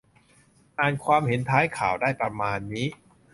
อ่านความเห็นท้ายข่าวได้ประมาณนี้